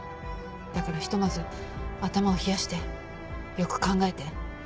だからひとまず頭を冷やしてよく考えて。